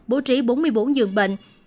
bố trí bốn mươi bốn dường bệnh